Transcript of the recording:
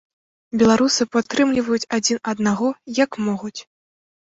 Беларусы падтрымліваюць адзін аднаго, як могуць.